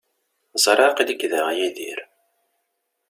Ẓriɣ aql-ik da, a Yidir.